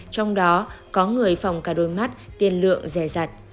trong đó có người phỏng cả đôi mắt tiên lượng rẻ giật